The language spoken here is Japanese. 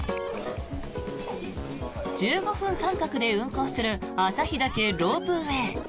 １５分間隔で運行する旭岳ロープウェイ。